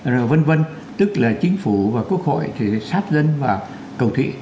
rồi vân vân tức là chính phủ và quốc hội thì sát dân và cầu thị